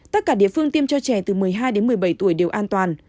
tất cả địa phương tiêm cho trẻ từ một mươi hai đến một mươi bảy tuổi đều an toàn